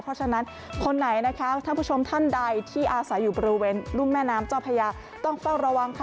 เพราะฉะนั้นคนไหนนะคะท่านผู้ชมท่านใดที่อาศัยอยู่บริเวณรุ่มแม่น้ำเจ้าพญาต้องเฝ้าระวังค่ะ